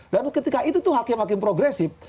dan ketika itu tuh hakim hakim progresif